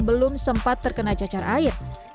belum sempat terkena cacar air